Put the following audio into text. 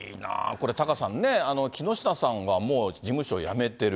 これ、タカさんね、木下さんはもう事務所を辞めてる。